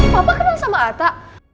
papa kenal sama atta